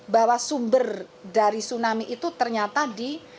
bahwa sumber dari tsunami itu ternyata di